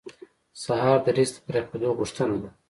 سهار د رزق د پراخېدو غوښتنه ده.